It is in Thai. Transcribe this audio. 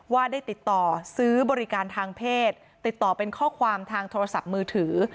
ว่าได้ติดต่อซื้อบริการทางเพศติดต่อเป็นข้อความทางโทรศัพท์มือถือ